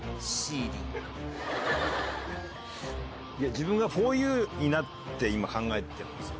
自分がふぉゆになって今考えてるんですよ。